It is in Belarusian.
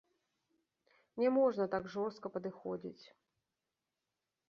Не можна так жорстка падыходзіць.